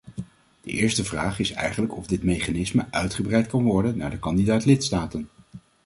De eerste vraag is eigenlijk of dit mechanisme uitgebreid kan worden naar de kandidaat-lidstaten.